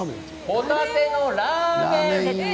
ホタテラーメン。